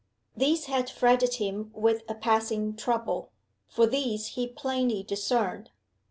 These had fretted him with a passing trouble; for these he plainly discerned.